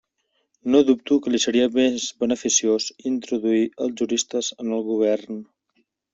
No dubto que li seria més beneficiós introduir els juristes en el govern.